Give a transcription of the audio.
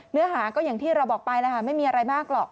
เนื้อหาก็อย่างที่เราบอกไปแล้วค่ะไม่มีอะไรมากหรอก